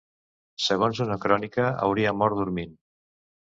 Segons una crònica, hauria mort dormint.